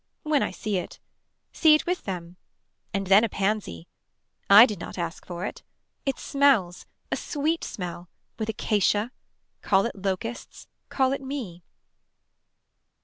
When I see it. See it with them. And then a pansy. I did not ask for it. It smells. A sweet smell With Acacia Call it locusts Call it me.